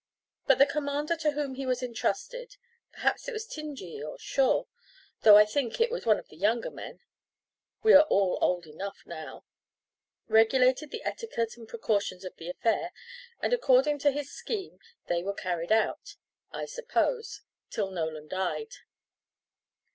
But the commander to whom he was intrusted perhaps it was Tingey or Shaw, though I think it was one of the younger men we are all old enough now regulated the etiquette and the precautions of the affair, and according to his scheme they were carried out, I suppose, till Nolan died.